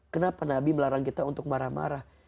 kenapa nabi melarang kita untuk marah marah